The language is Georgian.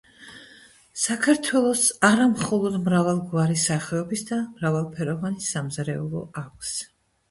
საქართველოს არა მხოლოდ მრავალგვარი სახეობის და მრავალფეროვანი სამზარეულო აქვს,